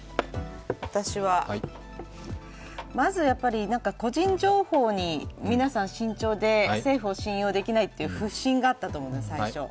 私は、まず個人情報に皆さん慎重で、政府を信用できないという不信があったと思うんです、最初。